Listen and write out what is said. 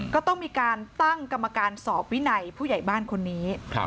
ก็ต้องมีการตั้งกรรมการสอบวินัยผู้ใหญ่บ้านคนนี้